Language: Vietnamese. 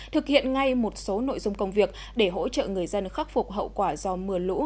thực hiện ngay một số nội dung công việc để hỗ trợ người dân khắc phục hậu quả do mưa lũ